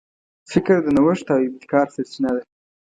فکر د نوښت او ابتکار سرچینه ده.